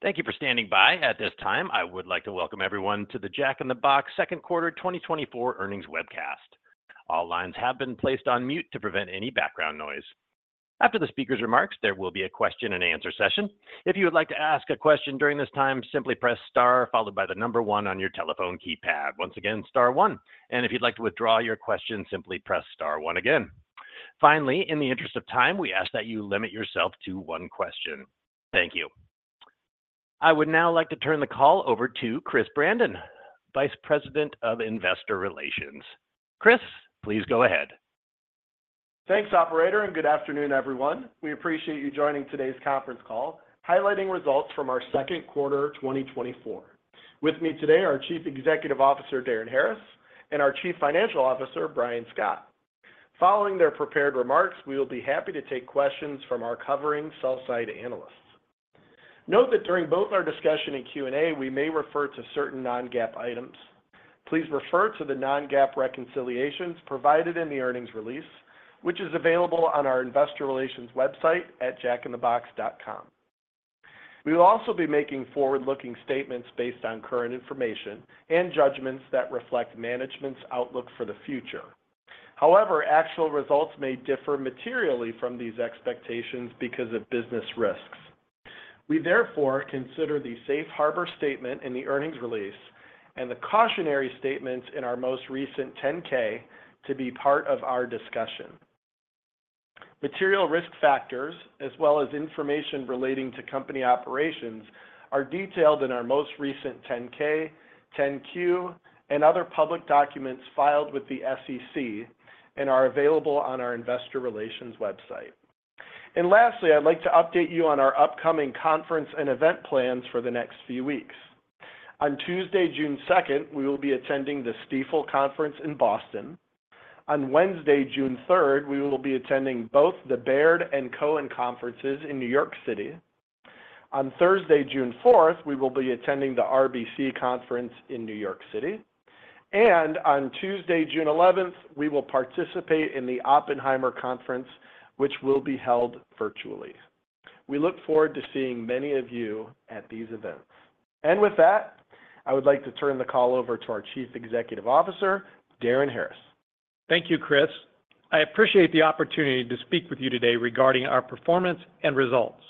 Thank you for standing by. At this time, I would like to welcome everyone to the Jack in the Box second quarter 2024 earnings webcast. All lines have been placed on mute to prevent any background noise. After the speaker's remarks, there will be a question-and-answer session. If you would like to ask a question during this time, simply press star followed by the number one on your telephone keypad. Once again, star one. If you'd like to withdraw your question, simply press star one again. Finally, in the interest of time, we ask that you limit yourself to one question. Thank you. I would now like to turn the call over to Chris Brandon, Vice President of Investor Relations. Chris, please go ahead. Thanks, operator, and good afternoon, everyone. We appreciate you joining today's conference call, highlighting results from our second quarter 2024. With me today are Chief Executive Officer Darin Harris and our Chief Financial Officer Brian Scott. Following their prepared remarks, we will be happy to take questions from our covering sell-side analysts. Note that during both our discussion and Q&A, we may refer to certain non-GAAP items. Please refer to the non-GAAP reconciliations provided in the earnings release, which is available on our Investor Relations website at jackinthebox.com. We will also be making forward-looking statements based on current information and judgments that reflect management's outlook for the future. However, actual results may differ materially from these expectations because of business risks. We therefore consider the safe harbor statement in the earnings release and the cautionary statements in our most recent 10-K to be part of our discussion. Material risk factors, as well as information relating to company operations, are detailed in our most recent 10-K, 10-Q, and other public documents filed with the SEC and are available on our Investor Relations website. And lastly, I'd like to update you on our upcoming conference and event plans for the next few weeks. On Tuesday, June 2nd, we will be attending the Stifel Conference in Boston. On Wednesday, June 3rd, we will be attending both the Baird and Cowen conferences in New York City. On Thursday, June 4th, we will be attending the RBC Conference in New York City. And on Tuesday, June 11th, we will participate in the Oppenheimer Conference, which will be held virtually. We look forward to seeing many of you at these events. And with that, I would like to turn the call over to our Chief Executive Officer, Darin Harris. Thank you, Chris. I appreciate the opportunity to speak with you today regarding our performance and results.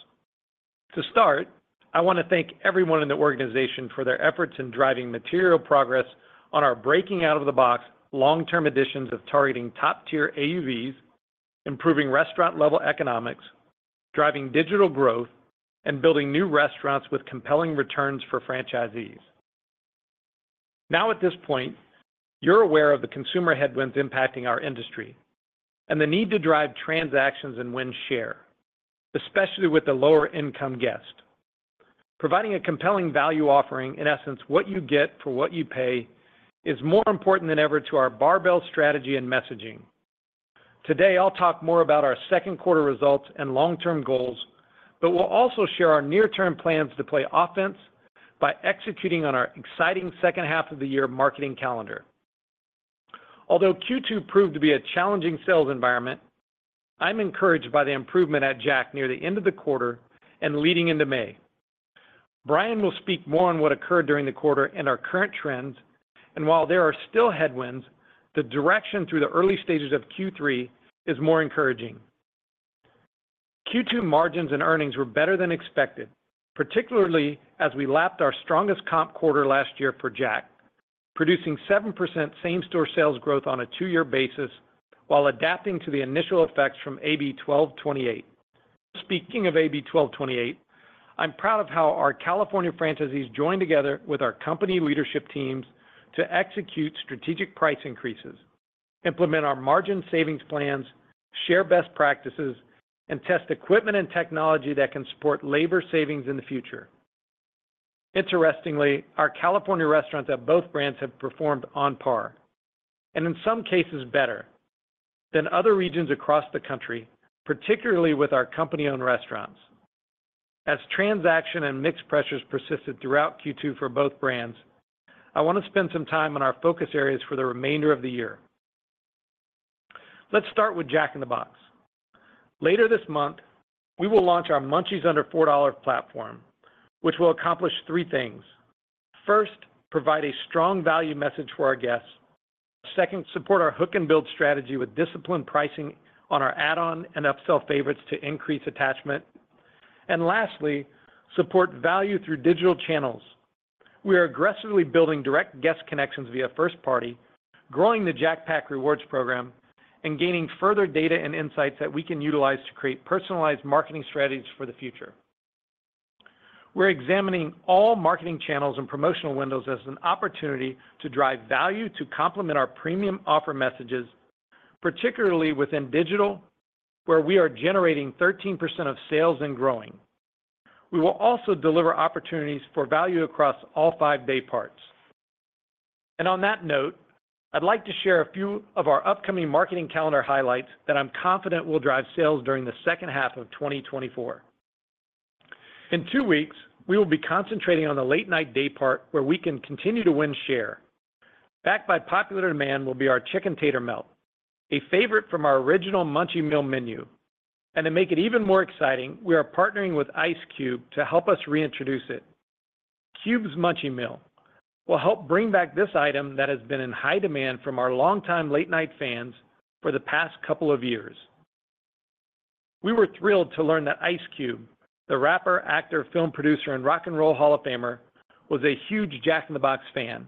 To start, I want to thank everyone in the organization for their efforts in driving material progress on our breaking out-of-the-box long-term ambitions of targeting top-tier AUVs, improving restaurant-level economics, driving digital growth, and building new restaurants with compelling returns for franchisees. Now, at this point, you're aware of the consumer headwinds impacting our industry and the need to drive transactions and win share, especially with the lower-income guest. Providing a compelling value offering, in essence, what you get for what you pay, is more important than ever to our barbell strategy and messaging. Today, I'll talk more about our second quarter results and long-term goals, but we'll also share our near-term plans to play offense by executing on our exciting second half of the year marketing calendar. Although Q2 proved to be a challenging sales environment, I'm encouraged by the improvement at Jack near the end of the quarter and leading into May. Brian will speak more on what occurred during the quarter and our current trends. While there are still headwinds, the direction through the early stages of Q3 is more encouraging. Q2 margins and earnings were better than expected, particularly as we lapped our strongest comp quarter last year for Jack, producing 7% same-store sales growth on a two-year basis while adapting to the initial effects from AB 1228. Speaking of AB 1228, I'm proud of how our California franchisees joined together with our company leadership teams to execute strategic price increases, implement our margin savings plans, share best practices, and test equipment and technology that can support labor savings in the future. Interestingly, our California restaurants at both brands have performed on par and, in some cases, better than other regions across the country, particularly with our company-owned restaurants. As transaction and mixed pressures persisted throughout Q2 for both brands, I want to spend some time on our focus areas for the remainder of the year. Let's start with Jack in the Box. Later this month, we will launch our Munchies Under $4 platform, which will accomplish three things: first, provide a strong value message for our guests; second, support our hook-and-build strategy with disciplined pricing on our add-on and upsell favorites to increase attachment; and lastly, support value through digital channels. We are aggressively building direct guest connections via first-party, growing the Jack Pack rewards program, and gaining further data and insights that we can utilize to create personalized marketing strategies for the future. We're examining all marketing channels and promotional windows as an opportunity to drive value to complement our premium offer messages, particularly within digital, where we are generating 13% of sales and growing. We will also deliver opportunities for value across all five dayparts. On that note, I'd like to share a few of our upcoming marketing calendar highlights that I'm confident will drive sales during the second half of 2024. In two weeks, we will be concentrating on the late-night daypart, where we can continue to win share. Backed by popular demand will be our Chick-N-Tater Melt, a favorite from our original Munchie Meal menu. To make it even more exciting, we are partnering with Ice Cube to help us reintroduce it. Cube's Munchie Meal will help bring back this item that has been in high demand from our long-time late-night fans for the past couple of years. We were thrilled to learn that Ice Cube, the rapper, actor, film producer, and Rock and Roll Hall of Famer, was a huge Jack in the Box fan.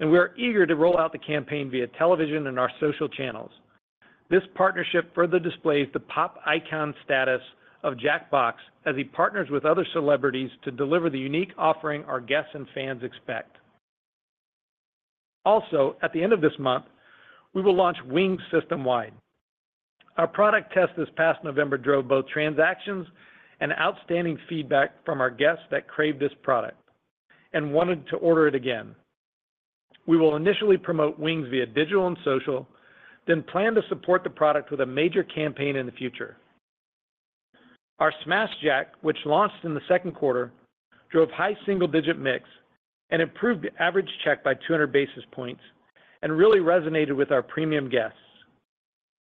We are eager to roll out the campaign via television and our social channels. This partnership further displays the pop icon status of Jack in the Box as he partners with other celebrities to deliver the unique offering our guests and fans expect. Also, at the end of this month, we will launch wings systemwide. Our product test this past November drove both transactions and outstanding feedback from our guests that CRAVED this product and wanted to order it again. We will initially promote wings via digital and social, then plan to support the product with a major campaign in the future. Our Smashed Jack, which launched in the second quarter, drove high single-digit mix and improved average check by 200 basis points and really resonated with our premium guests.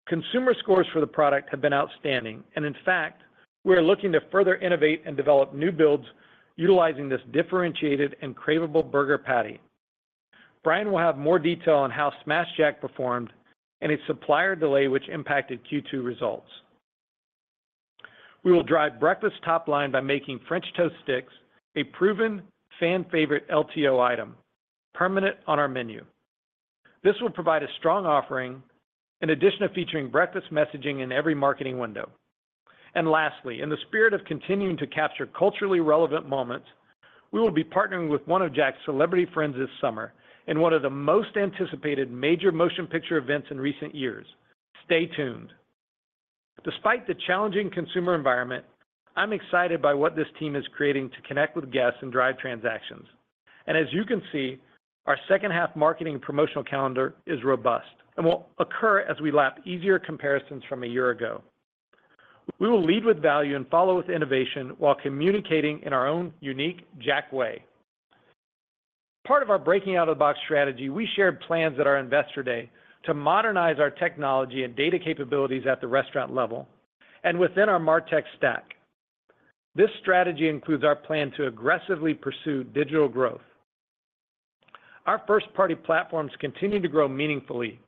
Consumer scores for the product have been outstanding. And in fact, we are looking to further innovate and develop new builds utilizing this differentiated and cravable burger patty. Brian will have more detail on how Smashed Jack performed and its supplier delay, which impacted Q2 results. We will drive breakfast top line by making French Toast Sticks a proven fan-favorite LTO item, permanent on our menu. This will provide a strong offering, in addition to featuring breakfast messaging in every marketing window. Lastly, in the spirit of continuing to capture culturally relevant moments, we will be partnering with one of Jack's celebrity friends this summer in one of the most anticipated major motion picture events in recent years. Stay tuned. Despite the challenging consumer environment, I'm excited by what this team is creating to connect with guests and drive transactions. As you can see, our second-half marketing and promotional calendar is robust and will occur as we lap easier comparisons from a year ago. We will lead with value and follow with innovation while communicating in our own unique Jack way. Part of our breaking out-of-the-box strategy, we shared plans at our Investor Day to modernize our technology and data capabilities at the restaurant level and within our MarTech stack. This strategy includes our plan to aggressively pursue digital growth. Our first-party platforms continue to grow meaningfully,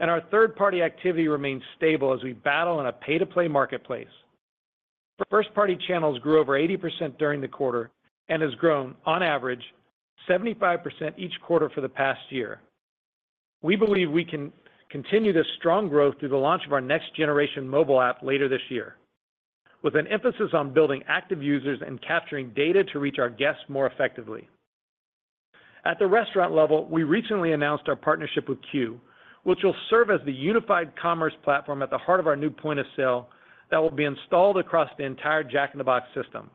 and our third-party activity remains stable as we battle in a pay-to-play marketplace. First-party channels grew over 80% during the quarter and have grown, on average, 75% each quarter for the past year. We believe we can continue this strong growth through the launch of our next-generation mobile app later this year, with an emphasis on building active users and capturing data to reach our guests more effectively. At the restaurant level, we recently announced our partnership with Qu, which will serve as the unified commerce platform at the heart of our new point of sale that will be installed across the entire Jack in the Box system.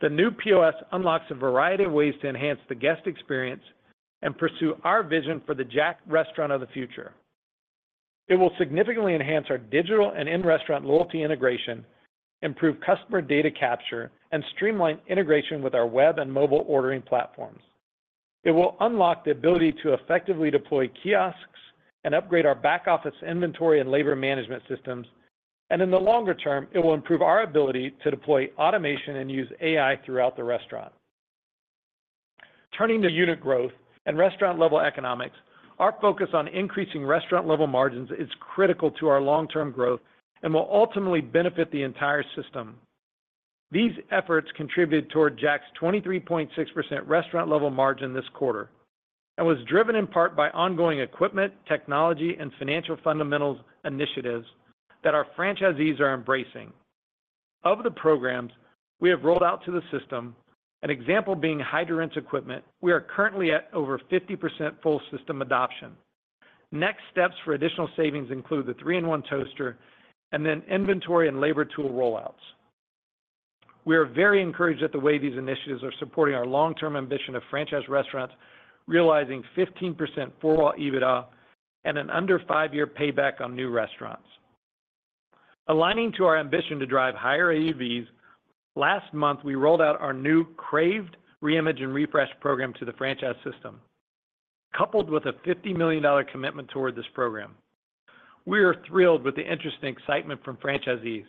The new POS unlocks a variety of ways to enhance the guest experience and pursue our vision for the Jack restaurant of the future. It will significantly enhance our digital and in-restaurant loyalty integration, improve customer data capture, and streamline integration with our web and mobile ordering platforms. It will unlock the ability to effectively deploy kiosks and upgrade our back office inventory and labor management systems. And in the longer term, it will improve our ability to deploy automation and use AI throughout the restaurant. Turning to unit growth and restaurant-level economics, our focus on increasing restaurant-level margins is critical to our long-term growth and will ultimately benefit the entire system. These efforts contributed toward Jack's 23.6% restaurant-level margin this quarter and was driven in part by ongoing equipment, technology, and financial fundamentals initiatives that our franchisees are embracing. Of the programs we have rolled out to the system, an example being HydroRinse equipment, we are currently at over 50% full system adoption. Next steps for additional savings include the 3-in-1 toaster and then inventory and labor tool rollouts. We are very encouraged at the way these initiatives are supporting our long-term ambition of franchise restaurants realizing 15% four-wall EBITDA and an under-5-year payback on new restaurants. Aligning to our ambition to drive higher AUVs, last month, we rolled out our new CRAVED Reimage and Refresh program to the franchise system, coupled with a $50 million commitment toward this program. We are thrilled with the interesting excitement from franchisees,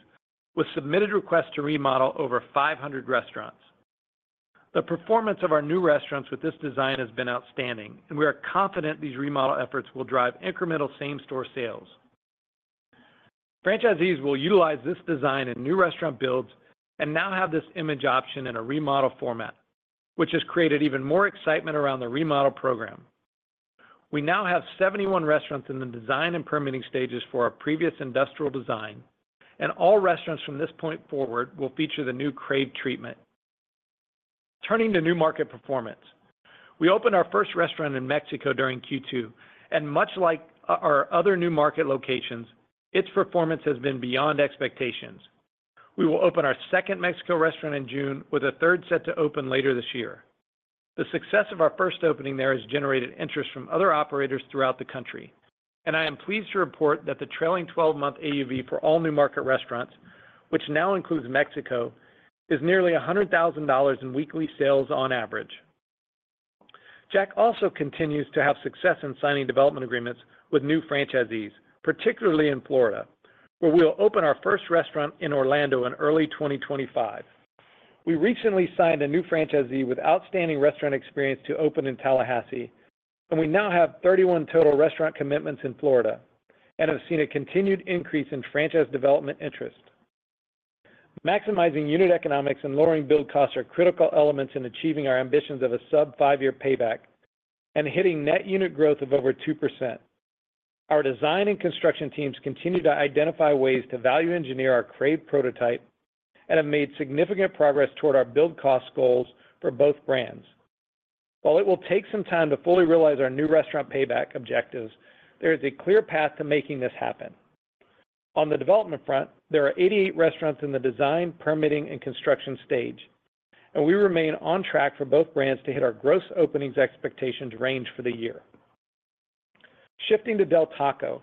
with submitted requests to remodel over 500 restaurants. The performance of our new restaurants with this design has been outstanding, and we are confident these remodel efforts will drive incremental same-store sales. Franchisees will utilize this design in new restaurant builds and now have this image option in a remodel format, which has created even more excitement around the remodel program. We now have 71 restaurants in the design and permitting stages for our previous industrial design, and all restaurants from this point forward will feature the new CRAVED treatment. Turning to new market performance, we opened our first restaurant in Mexico during Q2. Much like our other new market locations, its performance has been beyond expectations. We will open our second Mexico restaurant in June, with a third set to open later this year. The success of our first opening there has generated interest from other operators throughout the country. I am pleased to report that the trailing 12-month AUV for all new market restaurants, which now includes Mexico, is nearly $100,000 in weekly sales on average. Jack also continues to have success in signing development agreements with new franchisees, particularly in Florida, where we will open our first restaurant in Orlando in early 2025. We recently signed a new franchisee with outstanding restaurant experience to open in Tallahassee. We now have 31 total restaurant commitments in Florida and have seen a continued increase in franchise development interest. Maximizing unit economics and lowering build costs are critical elements in achieving our ambitions of a sub-five-year payback and hitting net unit growth of over 2%. Our design and construction teams continue to identify ways to value engineer our CRAVED prototype and have made significant progress toward our build cost goals for both brands. While it will take some time to fully realize our new restaurant payback objectives, there is a clear path to making this happen. On the development front, there are 88 restaurants in the design, permitting, and construction stage. We remain on track for both brands to hit our gross openings expectations range for the year. Shifting to Del Taco,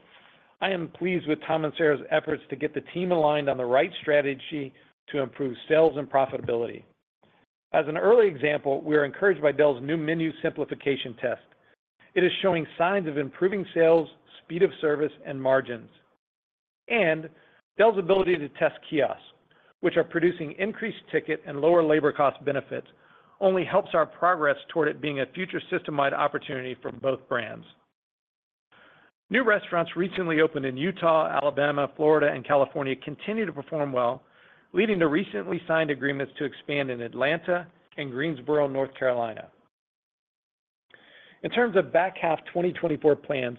I am pleased with Tom and Sara's efforts to get the team aligned on the right strategy to improve sales and profitability. As an early example, we are encouraged by Del's new menu simplification test. It is showing signs of improving sales, speed of service, and margins. Del's ability to test kiosks, which are producing increased ticket and lower labor cost benefits, only helps our progress toward it being a future systemwide opportunity for both brands. New restaurants recently opened in Utah, Alabama, Florida, and California continue to perform well, leading to recently signed agreements to expand in Atlanta and Greensboro, North Carolina. In terms of back-half 2024 plans,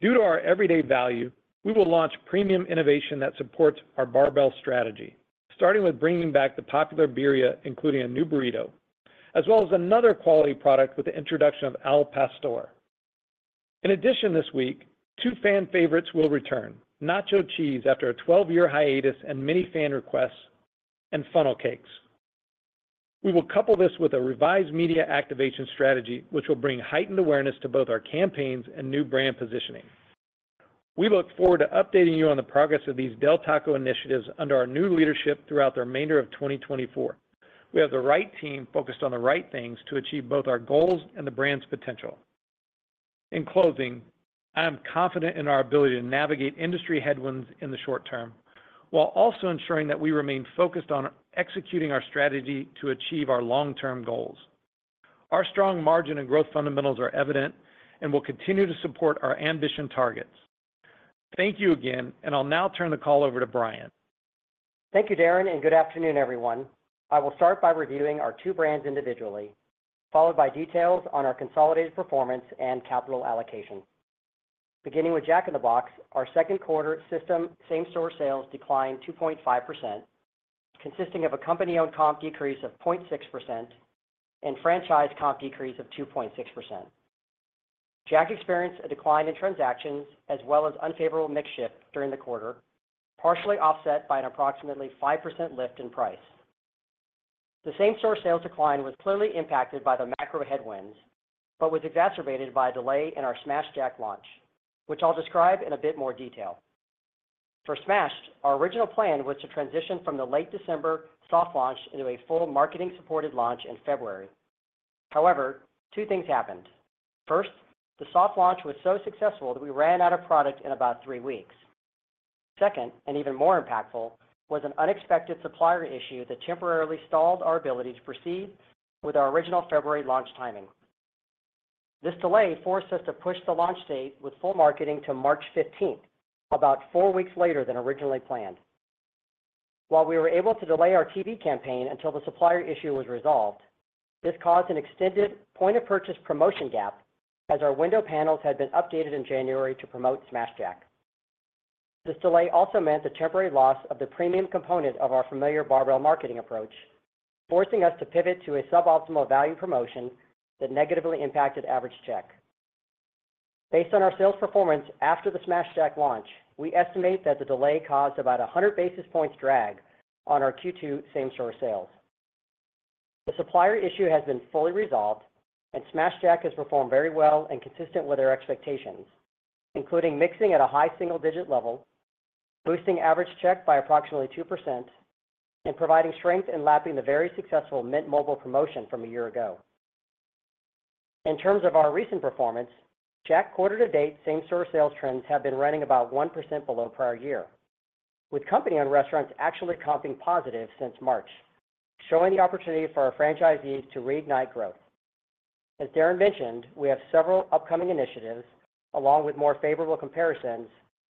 due to our everyday value, we will launch premium innovation that supports our barbell strategy, starting with bringing back the popular birria, including a new burrito, as well as another quality product with the introduction of al pastor. In addition, this week, two fan favorites will return: nacho cheese after a 12-year hiatus and many fan requests, and funnel cakes. We will couple this with a revised media activation strategy, which will bring heightened awareness to both our campaigns and new brand positioning. We look forward to updating you on the progress of these Del Taco initiatives under our new leadership throughout the remainder of 2024. We have the right team focused on the right things to achieve both our goals and the brand's potential. In closing, I am confident in our ability to navigate industry headwinds in the short term while also ensuring that we remain focused on executing our strategy to achieve our long-term goals. Our strong margin and growth fundamentals are evident and will continue to support our ambition targets. Thank you again. I'll now turn the call over to Brian. Thank you, Darin. And good afternoon, everyone. I will start by reviewing our two brands individually, followed by details on our consolidated performance and capital allocation. Beginning with Jack in the Box, our second quarter system same-store sales declined 2.5%, consisting of a company-owned comp decrease of 0.6% and franchise comp decrease of 2.6%. Jack experienced a decline in transactions as well as unfavorable mix shift during the quarter, partially offset by an approximately 5% lift in price. The same-store sales decline was clearly impacted by the macro headwinds but was exacerbated by a delay in our Smashed Jack launch, which I'll describe in a bit more detail. For Smashed, our original plan was to transition from the late December soft launch into a full marketing-supported launch in February. However, two things happened. First, the soft launch was so successful that we ran out of product in about three weeks. Second, and even more impactful, was an unexpected supplier issue that temporarily stalled our ability to proceed with our original February launch timing. This delay forced us to push the launch date with full marketing to March 15th, about four weeks later than originally planned. While we were able to delay our TV campaign until the supplier issue was resolved, this caused an extended point-of-purchase promotion gap as our window panels had been updated in January to promote Smashed Jack. This delay also meant the temporary loss of the premium component of our familiar barbell marketing approach, forcing us to pivot to a suboptimal value promotion that negatively impacted average check. Based on our sales performance after the Smashed Jack launch, we estimate that the delay caused about 100 basis points drag on our Q2 same-store sales. The supplier issue has been fully resolved, and Smashed Jack has performed very well and consistent with our expectations, including mixing at a high single-digit level, boosting average check by approximately 2%, and providing strength in lapping the very successful Mint Mobile promotion from a year ago. In terms of our recent performance, Jack quarter-to-date same-store sales trends have been running about 1% below prior year, with company-owned restaurants actually comping positive since March, showing the opportunity for our franchisees to reignite growth. As Darin mentioned, we have several upcoming initiatives along with more favorable comparisons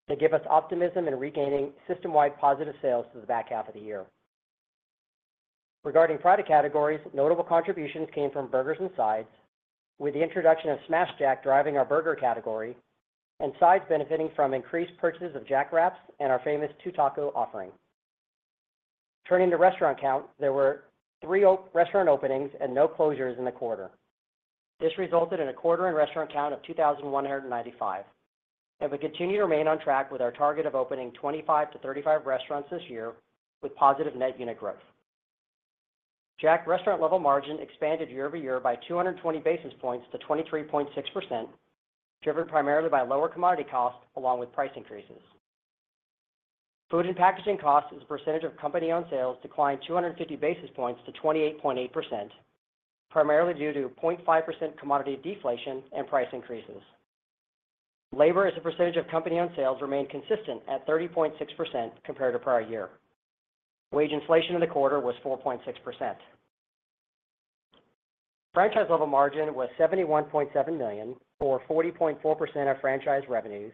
to give us optimism in regaining systemwide positive sales through the back-half of the year. Regarding product categories, notable contributions came from burgers and sides, with the introduction of Smashed Jack driving our burger category and sides benefiting from increased purchases of Jack Wraps and our famous Two Tacos offering. Turning to restaurant count, there were three restaurant openings and no closures in the quarter. This resulted in a quarter-end restaurant count of 2,195. We continue to remain on track with our target of opening 25-35 restaurants this year with positive net unit growth. Jack restaurant-level margin expanded year-over-year by 220 basis points to 23.6%, driven primarily by lower commodity costs along with price increases. Food and packaging costs, as a percentage of company-owned sales, declined 250 basis points to 28.8%, primarily due to 0.5% commodity deflation and price increases. Labor, as a percentage of company-owned sales, remained consistent at 30.6% compared to prior year. Wage inflation in the quarter was 4.6%. Franchise-level margin was $71.7 million, or 40.4% of franchise revenues,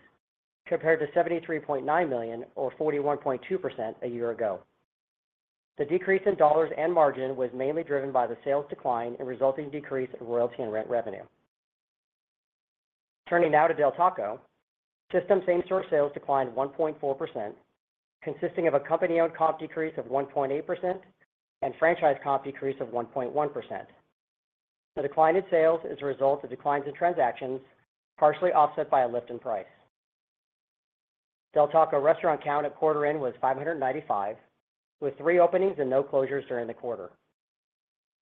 compared to $73.9 million, or 41.2% a year ago. The decrease in dollars and margin was mainly driven by the sales decline and resulting decrease in royalty and rent revenue. Turning now to Del Taco, system same-store sales declined 1.4%, consisting of a company-owned comp decrease of 1.8% and franchise comp decrease of 1.1%. The decline in sales is a result of declines in transactions, partially offset by a lift in price. Del Taco restaurant count at quarter end was 595, with three openings and no closures during the quarter.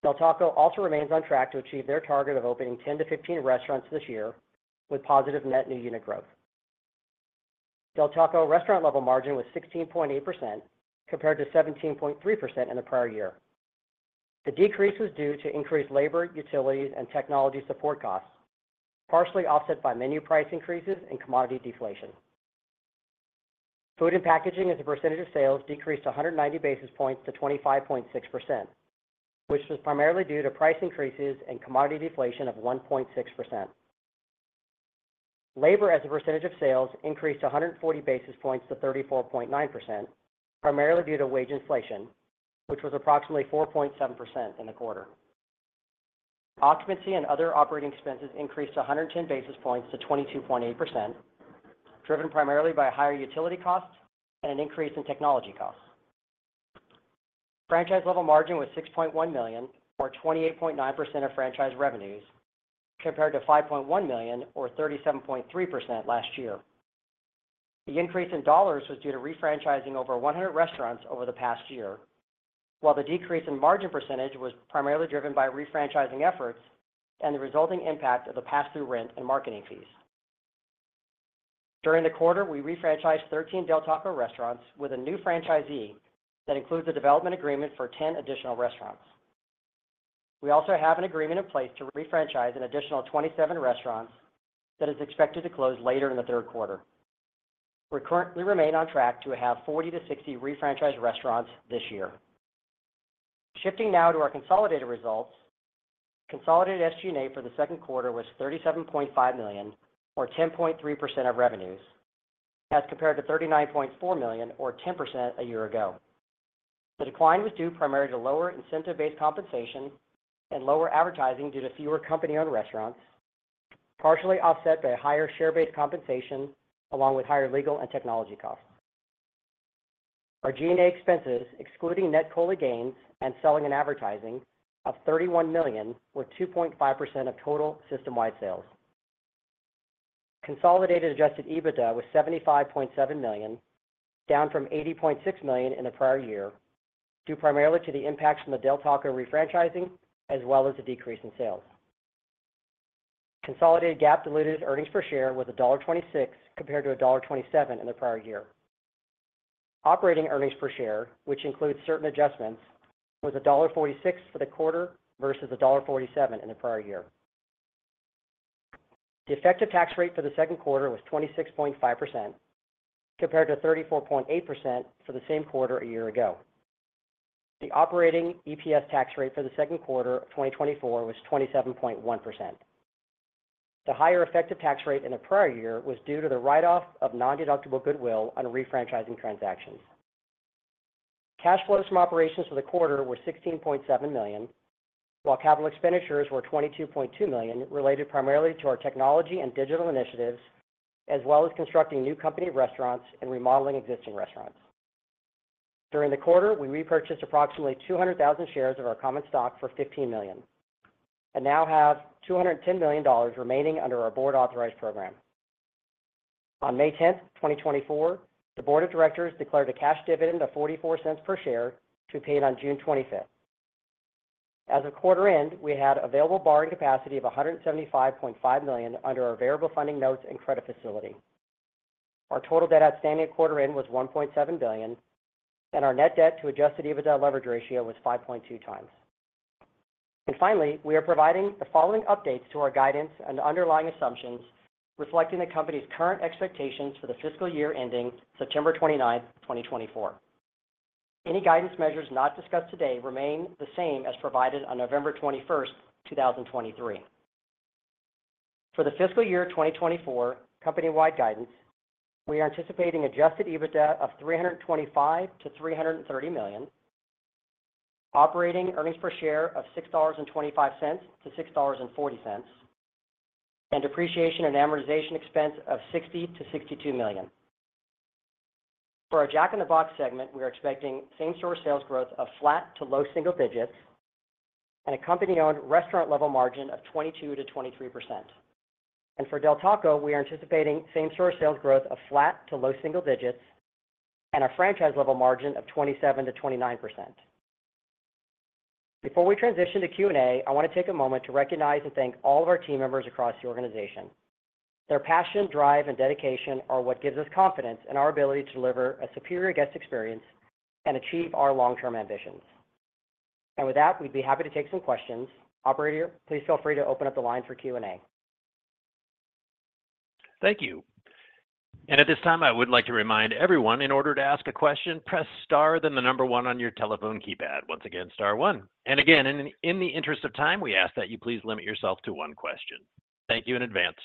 Del Taco also remains on track to achieve their target of opening 10-15 restaurants this year with positive net new unit growth. Del Taco restaurant-level margin was 16.8% compared to 17.3% in the prior year. The decrease was due to increased labor, utilities, and technology support costs, partially offset by menu price increases and commodity deflation. Food and packaging, as a percentage of sales, decreased 190 basis points to 25.6%, which was primarily due to price increases and commodity deflation of 1.6%. Labor, as a percentage of sales, increased 140 basis points to 34.9%, primarily due to wage inflation, which was approximately 4.7% in the quarter. Occupancy and other operating expenses increased 110 basis points to 22.8%, driven primarily by higher utility costs and an increase in technology costs. Franchise-level margin was $6.1 million, or 28.9% of franchise revenues, compared to $5.1 million, or 37.3% last year. The increase in dollars was due to refranchising over 100 restaurants over the past year, while the decrease in margin percentage was primarily driven by refranchising efforts and the resulting impact of the pass-through rent and marketing fees. During the quarter, we refranchised 13 Del Taco restaurants with a new franchisee that includes a development agreement for 10 additional restaurants. We also have an agreement in place to refranchise an additional 27 restaurants that is expected to close later in the third quarter. We currently remain on track to have 40-60 refranchised restaurants this year. Shifting now to our consolidated results, consolidated SG&A for the second quarter was $37.5 million, or 10.3% of revenues, as compared to $39.4 million, or 10% a year ago. The decline was due primarily to lower incentive-based compensation and lower advertising due to fewer company-owned restaurants, partially offset by higher share-based compensation along with higher legal and technology costs. Our G&A expenses, excluding net COLI gains and selling and advertising, of $31 million were 2.5% of total systemwide sales. Consolidated adjusted EBITDA was $75.7 million, down from $80.6 million in the prior year, due primarily to the impacts from the Del Taco refranchising as well as the decrease in sales. Consolidated GAAP diluted earnings per share was $1.26 compared to $1.27 in the prior year. Operating earnings per share, which includes certain adjustments, was $1.46 for the quarter versus $1.47 in the prior year. The effective tax rate for the second quarter was 26.5% compared to 34.8% for the same quarter a year ago. The operating EPS tax rate for the second quarter of 2024 was 27.1%. The higher effective tax rate in the prior year was due to the write-off of non-deductible goodwill on refranchising transactions. Cash flows from operations for the quarter were $16.7 million, while capital expenditures were $22.2 million, related primarily to our technology and digital initiatives as well as constructing new company restaurants and remodeling existing restaurants. During the quarter, we repurchased approximately 200,000 shares of our common stock for $15 million and now have $210 million remaining under our Board-authorized program. On May 10th, 2024, the Board of Directors declared a cash dividend of $0.44 per share to be paid on June 25th. As of quarter-end, we had available borrowing capacity of $175.5 million under our variable funding notes and credit facility. Our total debt outstanding at quarter-end was $1.7 billion, and our net debt to adjusted EBITDA leverage ratio was 5.2x. Finally, we are providing the following updates to our guidance and underlying assumptions reflecting the company's current expectations for the fiscal year ending September 29th, 2024. Any guidance measures not discussed today remain the same as provided on November 21st, 2023. For the fiscal year 2024 company-wide guidance, we are anticipating adjusted EBITDA of $325 million-$330 million, operating earnings per share of $6.25-$6.40, and depreciation and amortization expense of $60 million-$62 million. For our Jack in the Box segment, we are expecting same-store sales growth of flat to low single digits and a company-owned restaurant-level margin of 22%-23%. And for Del Taco, we are anticipating same-store sales growth of flat to low single digits and our franchise-level margin of 27%-29%. Before we transition to Q&A, I want to take a moment to recognize and thank all of our team members across the organization. Their passion, drive, and dedication are what gives us confidence in our ability to deliver a superior guest experience and achieve our long-term ambitions. With that, we'd be happy to take some questions. Operator, please feel free to open up the line for Q&A. Thank you. At this time, I would like to remind everyone, in order to ask a question, press star then the number one on your telephone keypad. Once again, star one. Again, in the interest of time, we ask that you please limit yourself to one question. Thank you in advance.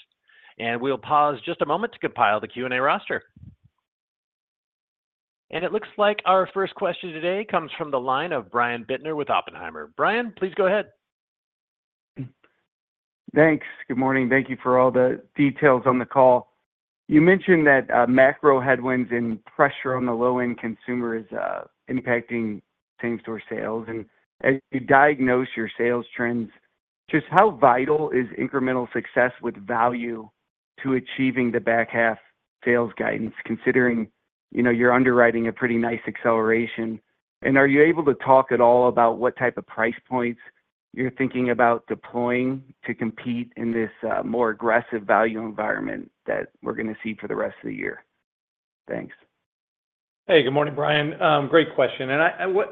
We'll pause just a moment to compile the Q&A roster. It looks like our first question today comes from the line of Brian Bittner with Oppenheimer. Brian, please go ahead. Thanks. Good morning. Thank you for all the details on the call. You mentioned that macro headwinds and pressure on the low-end consumer is impacting same-store sales. As you diagnose your sales trends, just how vital is incremental success with value to achieving the back-half sales guidance, considering you're underwriting a pretty nice acceleration? Are you able to talk at all about what type of price points you're thinking about deploying to compete in this more aggressive value environment that we're going to see for the rest of the year? Thanks. Hey, good morning, Brian. Great question.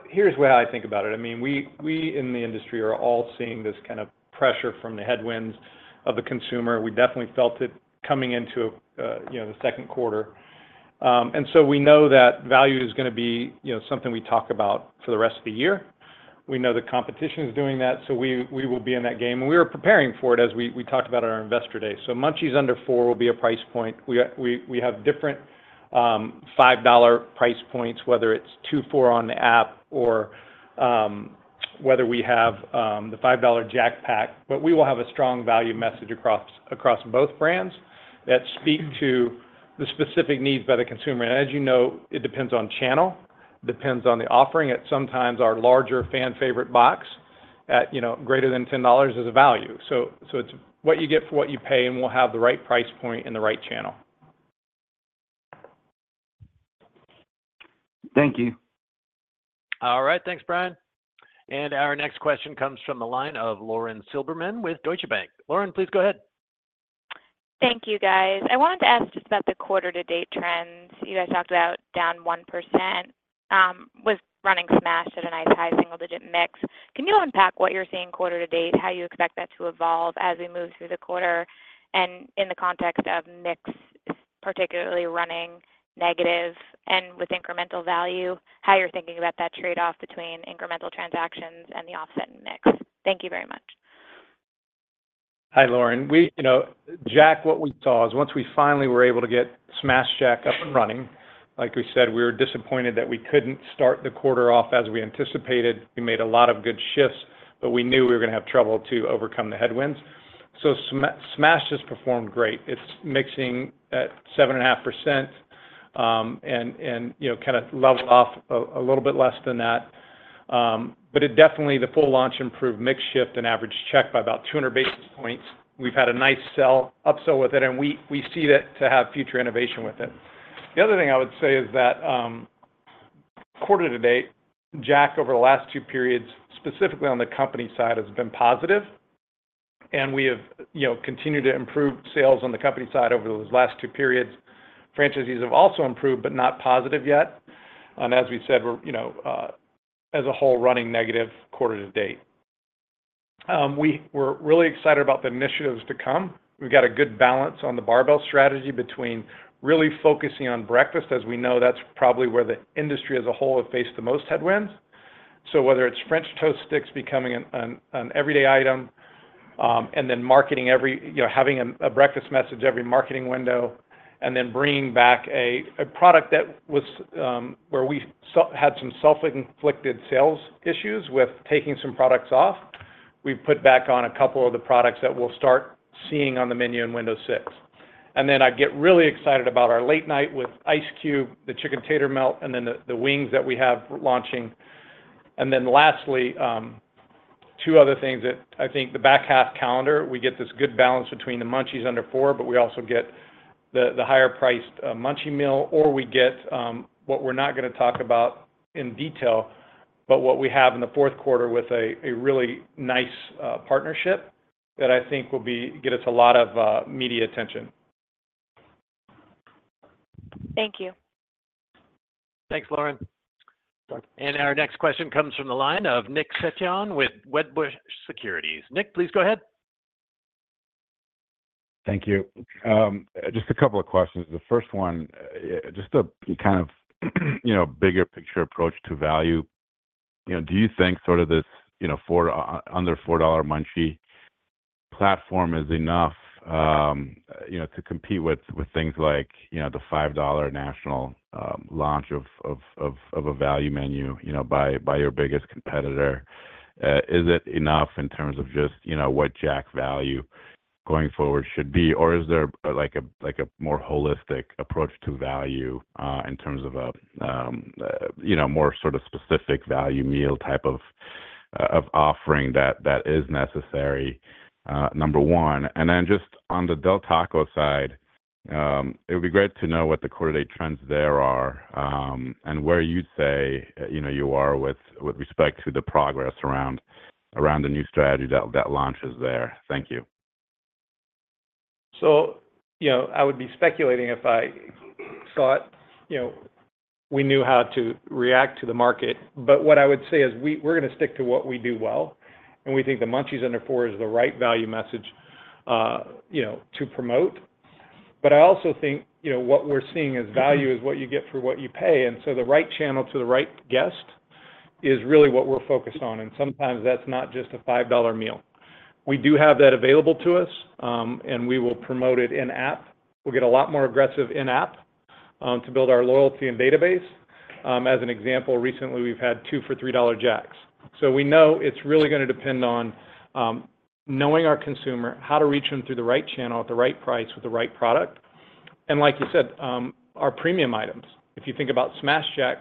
Here's how I think about it. I mean, we in the industry are all seeing this kind of pressure from the headwinds of the consumer. We definitely felt it coming into the second quarter. So we know that value is going to be something we talk about for the rest of the year. We know the competition is doing that, so we will be in that game. We were preparing for it as we talked about at our investor day. So Munchies Under $4 will be a price point. We have different $5 price points, whether it's two for $4 on the app or whether we have the $5 Jack Pack. But we will have a strong value message across both brands that speak to the specific needs by the consumer. As you know, it depends on channel. It depends on the offering. At times, our larger fan-favorite box at greater than $10 is a value. So it's what you get for what you pay, and we'll have the right price point in the right channel. Thank you. All right. Thanks, Brian. And our next question comes from the line of Lauren Silberman with Deutsche Bank. Lauren, please go ahead. Thank you, guys. I wanted to ask just about the quarter-to-date trends. You guys talked about down 1%. It was running smashed at a nice high single-digit mix. Can you unpack what you're seeing quarter-to-date, how you expect that to evolve as we move through the quarter? And in the context of mix particularly running negative and with incremental value, how you're thinking about that trade-off between incremental transactions and the offset in mix. Thank you very much. Hi, Lauren. Jack, what we saw is once we finally were able to get Smashed Jack up and running, like we said, we were disappointed that we couldn't start the quarter off as we anticipated. We made a lot of good shifts, but we knew we were going to have trouble to overcome the headwinds. So Smashed Jack has performed great. It's mixing at 7.5% and kind of leveled off a little bit less than that. But it definitely the full launch improved mix shift and average check by about 200 basis points. We've had a nice upsell with it, and we see that to have future innovation with it. The other thing I would say is that quarter-to-date, Jack, over the last two periods, specifically on the company side, has been positive. We have continued to improve sales on the company side over those last two periods. Franchises have also improved but not positive yet. As we said, we're as a whole running negative quarter-to-date. We're really excited about the initiatives to come. We've got a good balance on the barbell strategy between really focusing on breakfast, as we know that's probably where the industry as a whole has faced the most headwinds. So whether it's French Toast Sticks becoming an everyday item and then marketing every having a breakfast message every marketing window and then bringing back a product that was where we had some self-inflicted sales issues with taking some products off, we've put back on a couple of the products that we'll start seeing on the menu in window six. And then I get really excited about our late night with Ice Cube, the Chick-N-Tater Melt, and then the wings that we have launching. And then lastly, two other things that I think the back-half calendar, we get this good balance between the Munchies Under $4, but we also get the higher-priced Munchie Meal. Or we get what we're not going to talk about in detail, but what we have in the fourth quarter with a really nice partnership that I think will be get us a lot of media attention. Thank you. Thanks, Lauren. And our next question comes from the line of Nick Setyan with Wedbush Securities. Nick, please go ahead. Thank you. Just a couple of questions. The first one, just a kind of bigger picture approach to value. Do you think sort of this under-$4 Munchie platform is enough to compete with things like the $5 national launch of a value menu by your biggest competitor? Is it enough in terms of just what Jack value going forward should be? Or is there a more holistic approach to value in terms of a more sort of specific value meal type of offering that is necessary, number one? And then just on the Del Taco side, it would be great to know what the quarter-to-date trends there are and where you'd say you are with respect to the progress around the new strategy that launches there. Thank you. So I would be speculating if I thought we knew how to react to the market. But what I would say is we're going to stick to what we do well. And we think the Munchies Under $4 is the right value message to promote. But I also think what we're seeing as value is what you get for what you pay. And so the right channel to the right guest is really what we're focused on. And sometimes that's not just a $5 meal. We do have that available to us, and we will promote it in-app. We'll get a lot more aggressive in-app to build our loyalty and database. As an example, recently, we've had two for $3 Jacks. So we know it's really going to depend on knowing our consumer, how to reach them through the right channel at the right price with the right product. Like you said, our premium items, if you think about Smashed Jack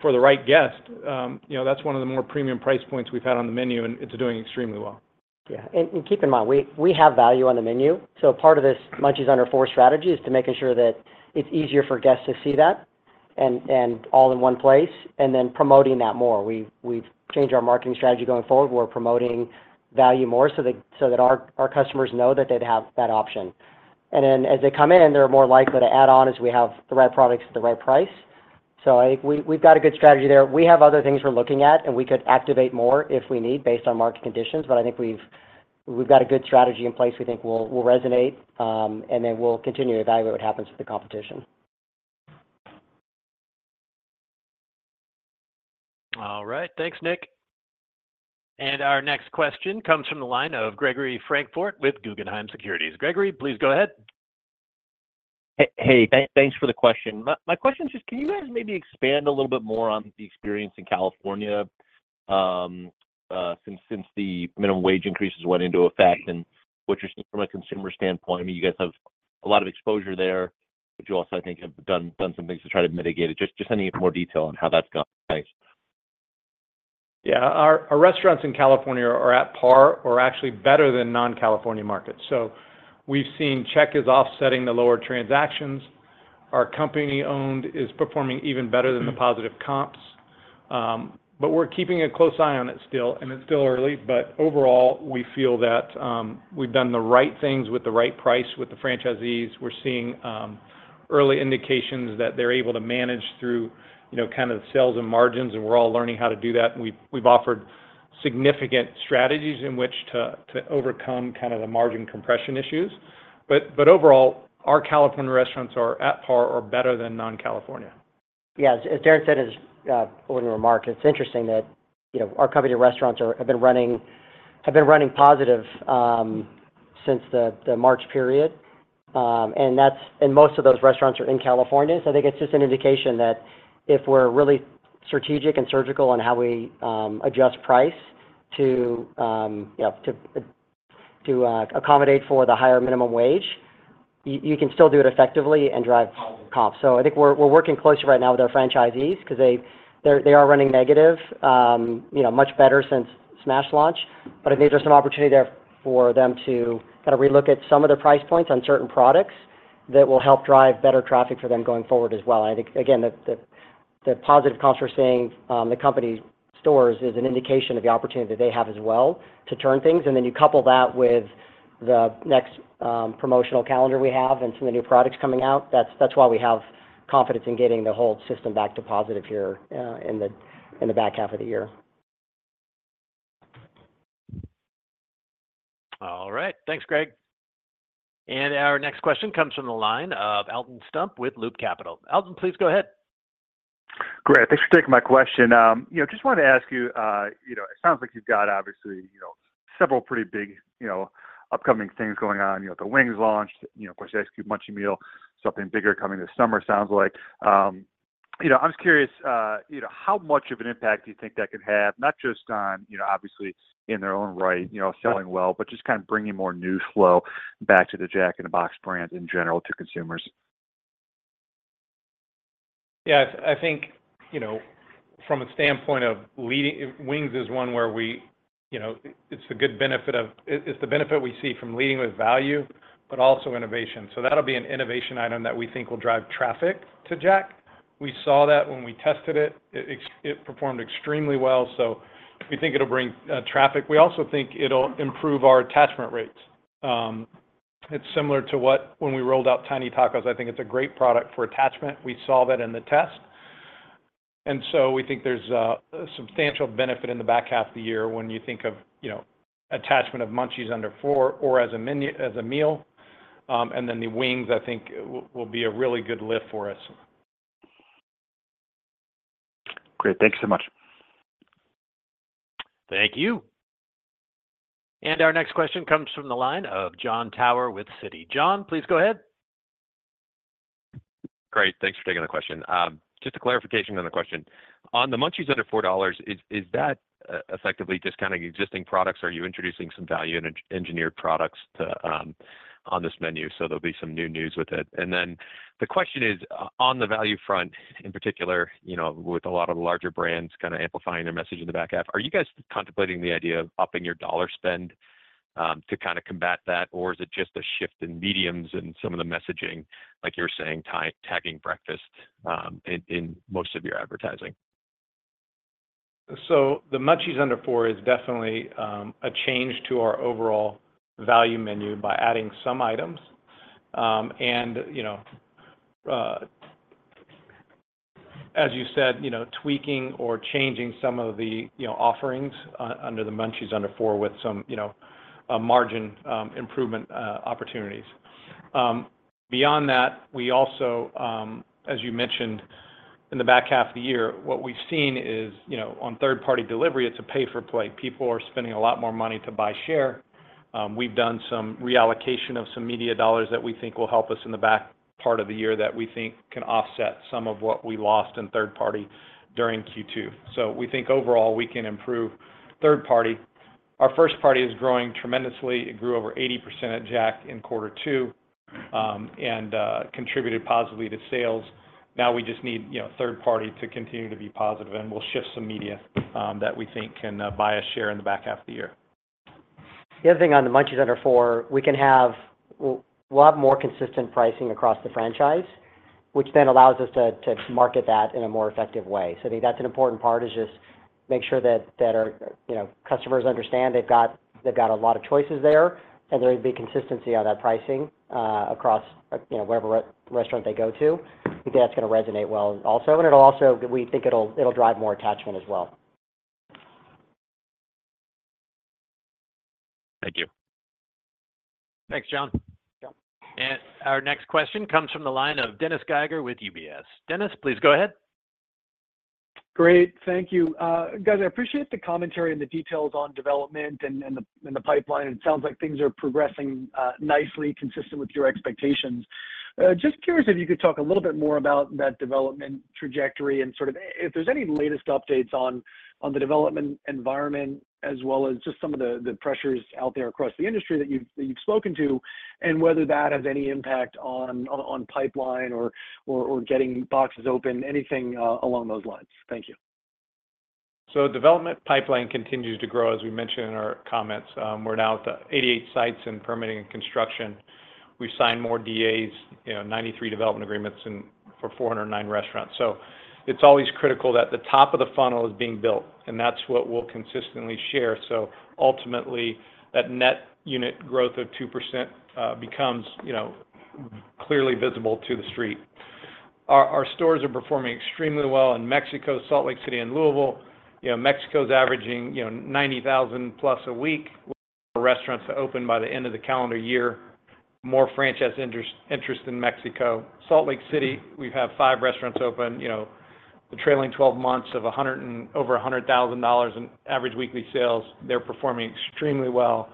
for the right guest, that's one of the more premium price points we've had on the menu, and it's doing extremely well. Yeah. Keep in mind, we have value on the menu. Part of this Munchies Under $4 strategy is to making sure that it's easier for guests to see that and all in one place and then promoting that more. We've changed our marketing strategy going forward. We're promoting value more so that our customers know that they'd have that option. Then as they come in, they're more likely to add on as we have the right products at the right price. So I think we've got a good strategy there. We have other things we're looking at, and we could activate more if we need based on market conditions. But I think we've got a good strategy in place we think will resonate. Then we'll continue to evaluate what happens with the competition. All right. Thanks, Nick. And our next question comes from the line of Gregory Francfort with Guggenheim Securities. Gregory, please go ahead. Hey, thanks for the question. My question is just, can you guys maybe expand a little bit more on the experience in California since the minimum wage increase has went into effect and what you're seeing from a consumer standpoint? I mean, you guys have a lot of exposure there, but you also I think have done some things to try to mitigate it. Just sending you more detail on how that's gone in place. Yeah. Our restaurants in California are at par or actually better than non-California markets. So we've seen check is offsetting the lower transactions. Our company-owned is performing even better than the positive comps. But we're keeping a close eye on it still, and it's still early. But overall, we feel that we've done the right things with the right price with the franchisees. We're seeing early indications that they're able to manage through kind of sales and margins, and we're all learning how to do that. And we've offered significant strategies in which to overcome kind of the margin compression issues. But overall, our California restaurants are at par or better than non-California. Yeah. As Darin said in his opening remark, it's interesting that our company restaurants have been running positive since the March period. Most of those restaurants are in California. I think it's just an indication that if we're really strategic and surgical on how we adjust price to accommodate for the higher minimum wage, you can still do it effectively and drive comps. We're working closer right now with our franchisees because they are running negative, much better since Smashed Jack launch. But I think there's some opportunity there for them to kind of relook at some of the price points on certain products that will help drive better traffic for them going forward as well. And I think, again, the positive comps we're seeing in the company stores is an indication of the opportunity that they have as well to turn things. And then you couple that with the next promotional calendar we have and some of the new products coming out, that's why we have confidence in getting the whole system back to positive here in the back half of the year. All right. Thanks, Greg. Our next question comes from the line of Alton Stump with Loop Capital. Alton, please go ahead. Great. Thanks for taking my question. Just wanted to ask you, it sounds like you've got, obviously, several pretty big upcoming things going on. The wings launched. Of course, the Munchie Meal, something bigger coming this summer, sounds like. I'm just curious, how much of an impact do you think that could have, not just on, obviously, in their own right, selling well, but just kind of bringing more new flow back to the Jack in the Box brand in general to consumers? Yeah. I think from a standpoint of leading with wings, it's one where we see the benefit from leading with value but also innovation. So that'll be an innovation item that we think will drive traffic to Jack. We saw that when we tested it. It performed extremely well. So we think it'll bring traffic. We also think it'll improve our attachment rates. It's similar to what we saw when we rolled out Tiny Tacos. I think it's a great product for attachment. We saw that in the test. And so we think there's a substantial benefit in the back half of the year when you think of attachment of Munchies Under $4 or as a meal. And then the wings, I think, will be a really good lift for us. Great. Thanks so much. Thank you. Our next question comes from the line of Jon Tower with Citi. Jon, please go ahead. Great. Thanks for taking the question. Just a clarification on the question. On the Munchies Under $4, is that effectively just kind of existing products? Are you introducing some value-engineered products on this menu? So there'll be some new news with it. And then the question is, on the value front in particular, with a lot of the larger brands kind of amplifying their message in the back half, are you guys contemplating the idea of upping your dollar spend to kind of combat that? Or is it just a shift in mediums and some of the messaging, like you were saying, tagging breakfast in most of your advertising? So the Munchies Under $4 is definitely a change to our overall value menu by adding some items. And as you said, tweaking or changing some of the offerings under the Munchies Under $4 with some margin improvement opportunities. Beyond that, we also, as you mentioned, in the back half of the year, what we've seen is on third-party delivery, it's a pay-for-play. People are spending a lot more money to buy share. We've done some reallocation of some media dollars that we think will help us in the back part of the year that we think can offset some of what we lost in third-party during Q2. So we think overall, we can improve third-party. Our first-party is growing tremendously. It grew over 80% at Jack in the Box in quarter two and contributed positively to sales. Now we just need third-party to continue to be positive. We'll shift some media that we think can buy a share in the back half of the year. The other thing on the Munchies Under $4, we'll have more consistent pricing across the franchise, which then allows us to market that in a more effective way. So I think that's an important part is just make sure that our customers understand they've got a lot of choices there, and there would be consistency on that pricing across wherever restaurant they go to. I think that's going to resonate well also. And we think it'll drive more attachment as well. Thank you. Thanks, Jon. And our next question comes from the line of Dennis Geiger with UBS. Dennis, please go ahead. Great. Thank you. Guys, I appreciate the commentary and the details on development and the pipeline. And it sounds like things are progressing nicely consistent with your expectations. Just curious if you could talk a little bit more about that development trajectory and sort of if there's any latest updates on the development environment as well as just some of the pressures out there across the industry that you've spoken to and whether that has any impact on pipeline or getting boxes open, anything along those lines? Thank you. So development pipeline continues to grow, as we mentioned in our comments. We're now at the 88 sites in permitting and construction. We've signed more DAs, 93 development agreements for 409 restaurants. So it's always critical that the top of the funnel is being built. And that's what we'll consistently share. So ultimately, that net unit growth of 2% becomes clearly visible to the street. Our stores are performing extremely well in Mexico, Salt Lake City, and Louisville. Mexico's averaging $90,000+ a week with more restaurants that open by the end of the calendar year, more franchise interest in Mexico. Salt Lake City, we have five restaurants open, the trailing 12 months of over $100,000 in average weekly sales. They're performing extremely well.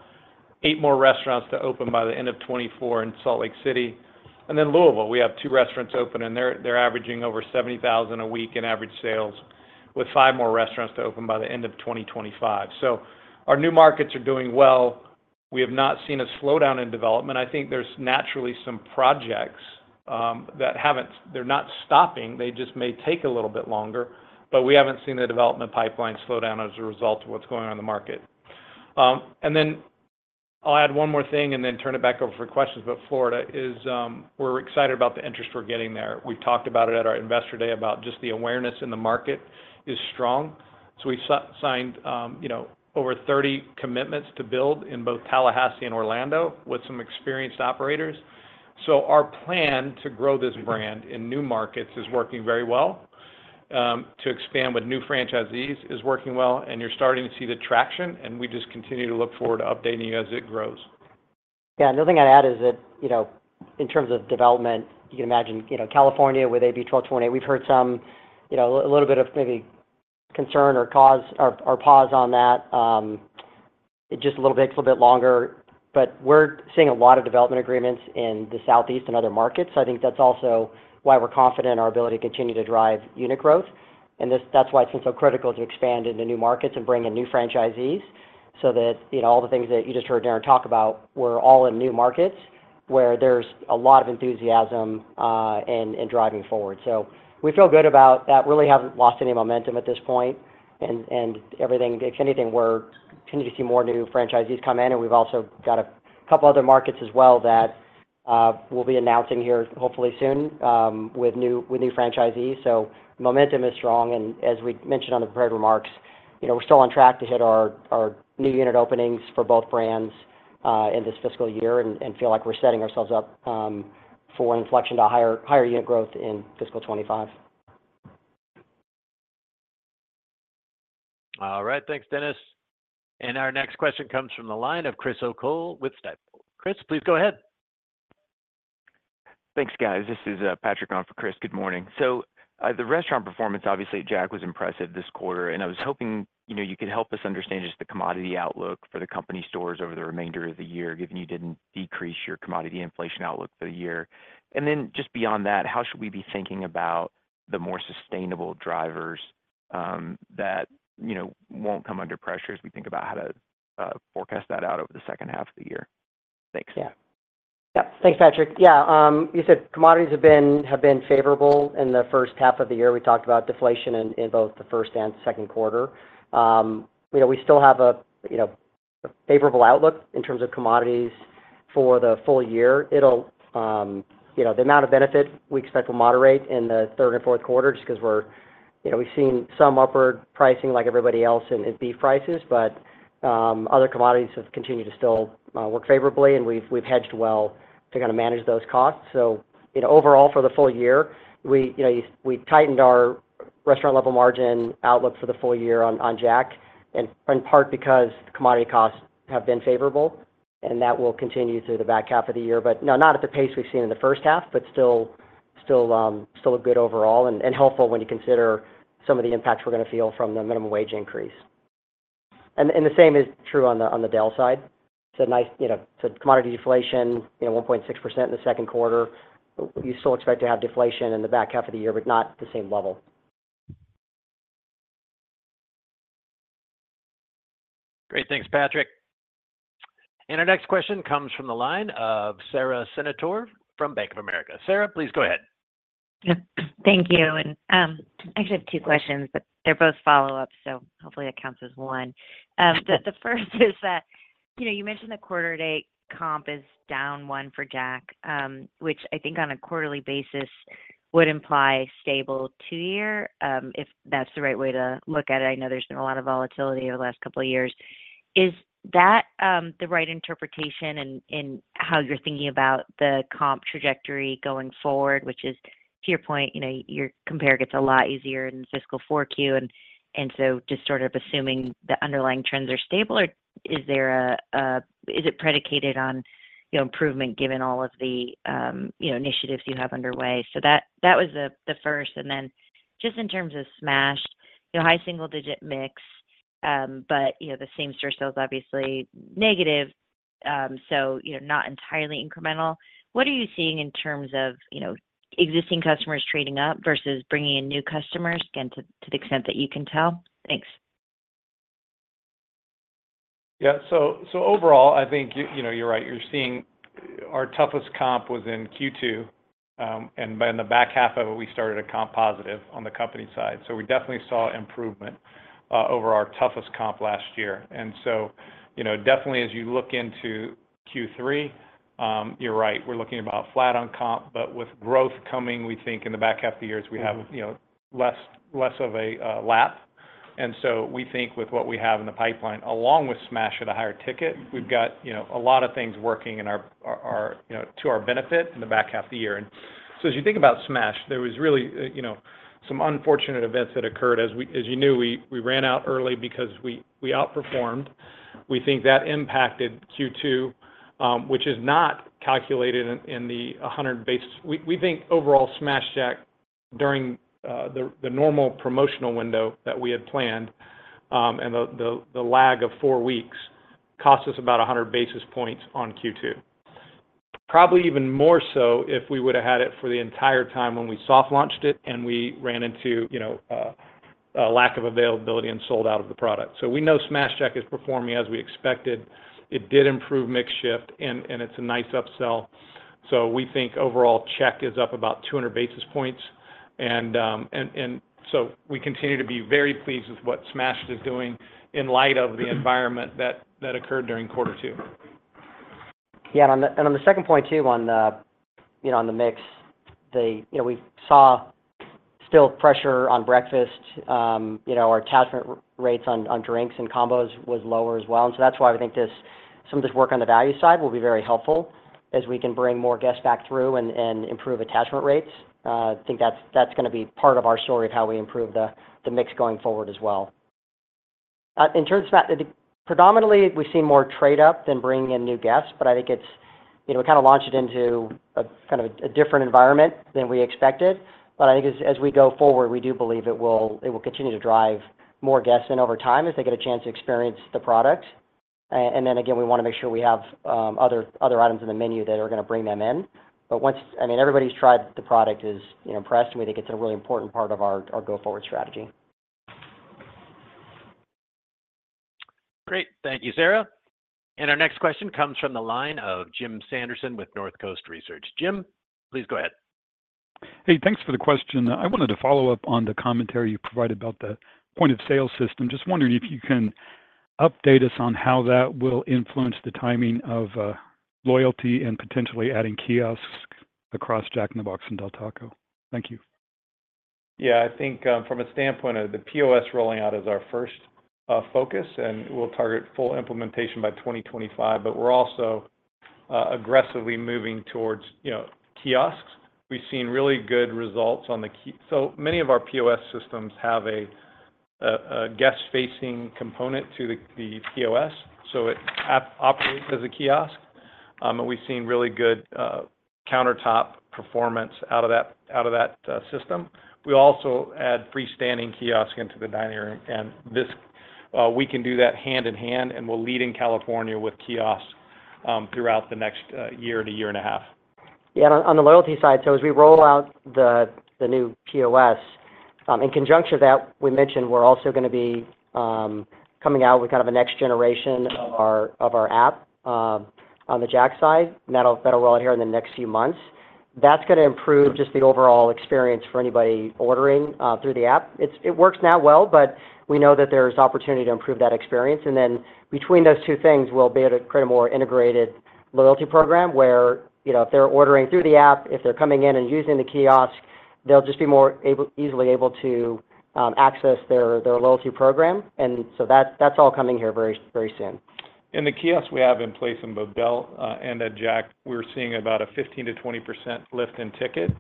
Eight more restaurants to open by the end of 2024 in Salt Lake City. And then Louisville, we have two restaurants open, and they're averaging over $70,000 a week in average sales with five more restaurants to open by the end of 2025. So our new markets are doing well. We have not seen a slowdown in development. I think there's naturally some projects that haven't. They're not stopping. They just may take a little bit longer. But we haven't seen the development pipeline slow down as a result of what's going on in the market. And then I'll add one more thing and then turn it back over for questions. But Florida, we're excited about the interest we're getting there. We've talked about it at our investor day about just the awareness in the market is strong. So we signed over 30 commitments to build in both Tallahassee and Orlando with some experienced operators. Our plan to grow this brand in new markets is working very well. To expand with new franchisees is working well. You're starting to see the traction. We just continue to look forward to updating you as it grows. Yeah. Another thing I'd add is that in terms of development, you can imagine California with AB 1228. We've heard some a little bit of maybe concern or pause on that. It just takes a little bit longer. But we're seeing a lot of development agreements in the Southeast and other markets. So I think that's also why we're confident in our ability to continue to drive unit growth. And that's why it's been so critical to expand into new markets and bring in new franchisees so that all the things that you just heard Darin talk about were all in new markets where there's a lot of enthusiasm and driving forward. So we feel good about that. Really haven't lost any momentum at this point. And if anything, we're continuing to see more new franchisees come in. And we've also got a couple other markets as well that we'll be announcing here, hopefully, soon with new franchisees. So momentum is strong. And as we mentioned on the prepared remarks, we're still on track to hit our new unit openings for both brands in this fiscal year and feel like we're setting ourselves up for an inflection to higher unit growth in fiscal 2025. All right. Thanks, Dennis. Our next question comes from the line of Chris O'Cull with Stifel. Chris, please go ahead. Thanks, guys. This is Patrick Gardner for Chris O'Cull. Good morning. The restaurant performance, obviously, at Jack was impressive this quarter. I was hoping you could help us understand just the commodity outlook for the company stores over the remainder of the year, given you didn't decrease your commodity inflation outlook for the year. Then just beyond that, how should we be thinking about the more sustainable drivers that won't come under pressure as we think about how to forecast that out over the second half of the year? Thanks. Yeah. Yep. Thanks, Patrick. Yeah. You said commodities have been favorable in the first half of the year. We talked about deflation in both the first and second quarter. We still have a favorable outlook in terms of commodities for the full year. The amount of benefit we expect will moderate in the third and fourth quarter just because we've seen some upward pricing like everybody else in beef prices. But other commodities have continued to still work favorably. And we've hedged well to kind of manage those costs. So overall, for the full year, we tightened our restaurant-level margin outlook for the full year on Jack in part because commodity costs have been favorable. And that will continue through the back half of the year. But no, not at the pace we've seen in the first half, but still a good overall and helpful when you consider some of the impacts we're going to feel from the minimum wage increase. The same is true on the Del side. It's a nice commodity deflation, 1.6% in the second quarter. You still expect to have deflation in the back half of the year, but not the same level. Great. Thanks, Patrick. Our next question comes from the line of Sara Senatore from Bank of America. Sara, please go ahead. Thank you. And actually, I have two questions, but they're both follow-ups. So hopefully, that counts as one. The first is that you mentioned the quarter-to-date comp is down one for Jack, which I think on a quarterly basis would imply stable two-year if that's the right way to look at it. I know there's been a lot of volatility over the last couple of years. Is that the right interpretation in how you're thinking about the comp trajectory going forward, which is to your point, your compare gets a lot easier in fiscal 4Q? And so just sort of assuming the underlying trends are stable, or is it predicated on improvement given all of the initiatives you have underway? So that was the first. And then just in terms of Smash, high single-digit mix, but the same store sales, obviously, negative, so not entirely incremental. What are you seeing in terms of existing customers trading up versus bringing in new customers, again, to the extent that you can tell? Thanks. Yeah. So overall, I think you're right. Our toughest comp was in Q2. In the back half of it, we started a comp positive on the company side. So we definitely saw improvement over our toughest comp last year. So definitely, as you look into Q3, you're right. We're looking about flat on comp. But with growth coming, we think in the back half of the years, we have less of a lap. So we think with what we have in the pipeline, along with Smash at a higher ticket, we've got a lot of things working to our benefit in the back half of the year. So as you think about Smash, there was really some unfortunate events that occurred. As you knew, we ran out early because we outperformed. We think that impacted Q2, which is not calculated in the 100 basis points we think overall. Smashed Jack, during the normal promotional window that we had planned and the lag of 4 weeks cost us about 100 basis points on Q2, probably even more so if we would have had it for the entire time when we soft-launched it and we ran into a lack of availability and sold out of the product. So we know Smashed Jack is performing as we expected. It did improve mix shift. And it's a nice upsell. So we think overall, check is up about 200 basis points. And so we continue to be very pleased with what Smashed is doing in light of the environment that occurred during quarter two. Yeah. On the second point too on the mix, we saw still pressure on breakfast. Our attachment rates on drinks and combos was lower as well. So that's why we think some of this work on the value side will be very helpful as we can bring more guests back through and improve attachment rates. I think that's going to be part of our story of how we improve the mix going forward as well. Predominantly, we've seen more trade-up than bringing in new guests. But I think we kind of launched it into kind of a different environment than we expected. But I think as we go forward, we do believe it will continue to drive more guests in over time as they get a chance to experience the product. Then again, we want to make sure we have other items in the menu that are going to bring them in. But I mean, everybody's tried the product and is impressed. And we think it's a really important part of our go-forward strategy. Great. Thank you, Sara. Our next question comes from the line of Jim Sanderson with Northcoast Research. Jim, please go ahead. Hey. Thanks for the question. I wanted to follow up on the commentary you provided about the point-of-sale system. Just wondering if you can update us on how that will influence the timing of loyalty and potentially adding kiosks across Jack in the Box and Del Taco? Thank you. Yeah. I think from a standpoint of the POS rolling out is our first focus. We'll target full implementation by 2025. But we're also aggressively moving towards kiosks. We've seen really good results on them. So many of our POS systems have a guest-facing component to the POS. So it operates as a kiosk. And we've seen really good countertop performance out of that system. We also add freestanding kiosk into the dining room. And we can do that hand in hand. We'll lead in California with kiosks throughout the next year to year and a half. Yeah. And on the loyalty side, so as we roll out the new POS, in conjunction with that, we mentioned we're also going to be coming out with kind of a next generation of our app on the Jack side. And that'll roll out here in the next few months. That's going to improve just the overall experience for anybody ordering through the app. It works now well. But we know that there's opportunity to improve that experience. And then between those two things, we'll be able to create a more integrated loyalty program where if they're ordering through the app, if they're coming in and using the kiosk, they'll just be more easily able to access their loyalty program. And so that's all coming here very soon. In the kiosks we have in place in both Del Taco and Jack in the Box, we're seeing about a 15%-20% lift in ticket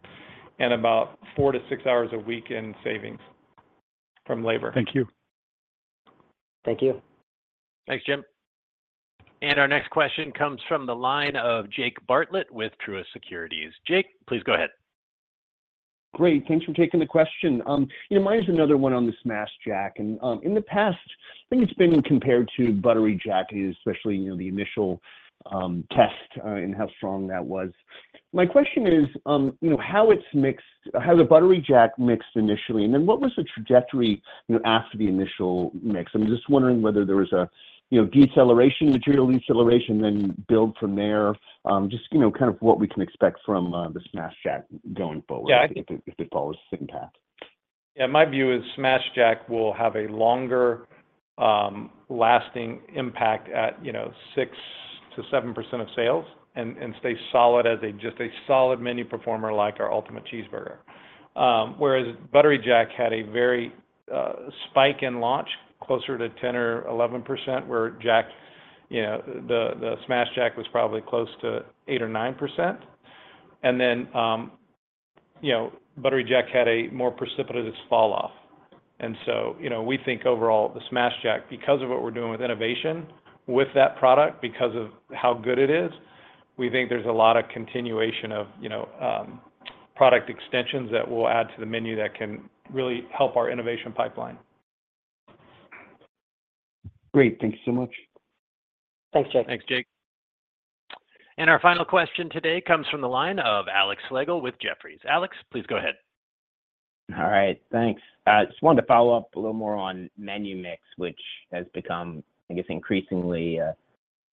and about four-six hours a week in savings from labor. Thank you. Thank you. Thanks, Jim. Our next question comes from the line of Jake Bartlett with Truist Securities. Jake, please go ahead. Great. Thanks for taking the question. Mine is another one on the Smashed Jack. And in the past, I think it's been compared to Buttery Jack, especially the initial test and how strong that was. My question is how it's mixed how the Buttery Jack mixed initially. And then what was the trajectory after the initial mix? I'm just wondering whether there was a deceleration, material deceleration, then build from there, just kind of what we can expect from the Smashed Jack going forward if it follows the same path. Yeah. My view is Smashed Jack will have a longer-lasting impact at 6%-7% of sales and stay solid as just a solid menu performer like our Ultimate Cheeseburger, whereas Buttery Jack had a very spike in launch closer to 10% or 11% where the Smashed Jack was probably close to 8% or 9%. And then Buttery Jack had a more precipitous falloff. And so we think overall, the Smashed Jack, because of what we're doing with innovation with that product, because of how good it is, we think there's a lot of continuation of product extensions that will add to the menu that can really help our innovation pipeline. Great. Thank you so much. Thanks, Jake. Thanks, Jake. Our final question today comes from the line of Alexander Slagle with Jefferies. Alex, please go ahead. All right. Thanks. I just wanted to follow up a little more on menu mix, which has become, I guess, increasingly a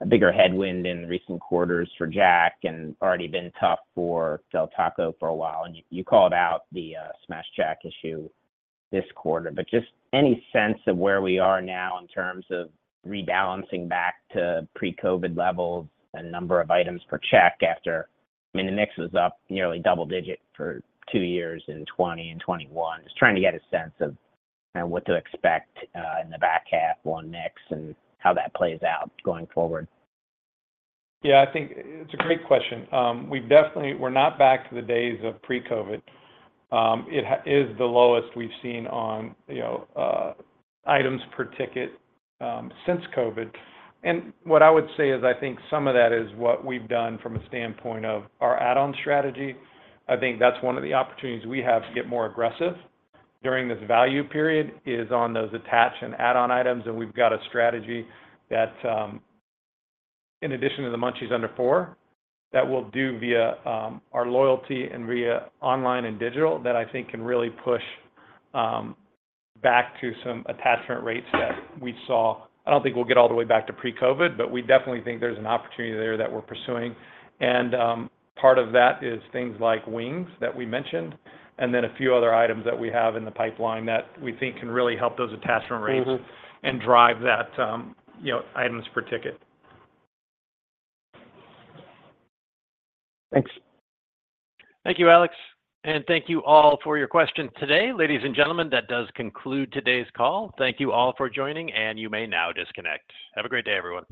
bigger headwind in recent quarters for Jack and already been tough for Del Taco for a while. And you called out the Smashed Jack issue this quarter. But just any sense of where we are now in terms of rebalancing back to pre-COVID levels and number of items per check after I mean, the mix was up nearly double-digit for two years in 2020 and 2021, just trying to get a sense of what to expect in the back half on mix and how that plays out going forward. Yeah. I think it's a great question. We're not back to the days of pre-COVID. It is the lowest we've seen on items per ticket since COVID. What I would say is I think some of that is what we've done from a standpoint of our add-on strategy. I think that's one of the opportunities we have to get more aggressive during this value period is on those attach and add-on items. We've got a strategy that, in addition to the Munchies Under $4, that we'll do via our loyalty and via online and digital that I think can really push back to some attachment rates that we saw. I don't think we'll get all the way back to pre-COVID. We definitely think there's an opportunity there that we're pursuing. Part of that is things like wings that we mentioned and then a few other items that we have in the pipeline that we think can really help those attachment rates and drive that items per ticket. Thanks. Thank you, Alex. Thank you all for your question today. Ladies and gentlemen, that does conclude today's call. Thank you all for joining. You may now disconnect. Have a great day, everyone.